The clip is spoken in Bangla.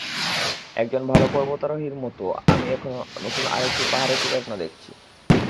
একজন ভালো পর্বতারোহীর মতো, আমি এখনো নতুন আরেকটি পাহাড়ে চড়ার স্বপ্ন দেখছি।